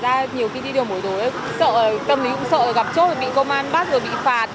vì thật ra nhiều khi đi đường mỗi đối tâm lý cũng sợ gặp chốt bị công an bắt bị phạt